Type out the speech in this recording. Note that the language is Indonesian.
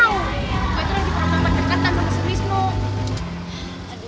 lo itu lagi kelamin sama temen gue